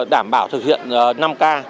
đảm bảo thực hiện năm k